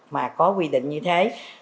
mà có quy định như thế